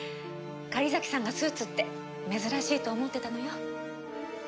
狩崎さんがスーツって珍しいと思ってたのよ。